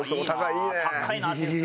いいね！